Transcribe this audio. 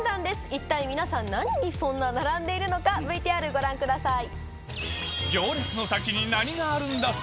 一体皆さん何にそんな並んでいるのかＶＴＲご覧ください。